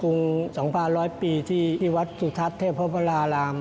รุง๒๑๐๐ปีที่วัดสุทัศน์เทพวราราม